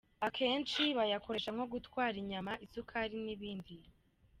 Akenshi bayakoresha nko gutwara inyama, isukari n’ibindi.